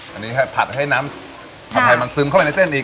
อันนี้ให้ผัดให้น้ำผัดไทยมันซึมเข้าไปในเส้นอีก